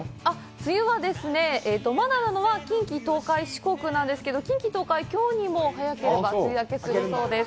梅雨はですね、まだなのは近畿、東海、四国なんですけど、近畿、東海、きょうにも早ければ梅雨明けするそうです。